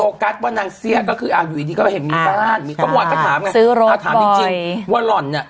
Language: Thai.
โปกัสว่านางเสียก็คืออ่าอยู่ดีก็จะเห็นนี่บ้านมีก่อนม็อตก็ตามอย่างเสือรถบ่อยว่าหล่อเนี่ย